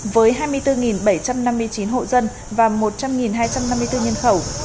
với hai mươi bốn bảy trăm năm mươi chín hộ dân và một trăm linh hai trăm năm mươi bốn nhân khẩu